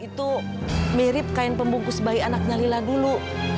itu mirip kain pembungkus bayi anaknya lila dulu